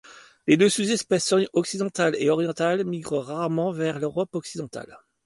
Les deux sous-espèces occidentale et orientale migrent rarement vers l'Europe occidentale.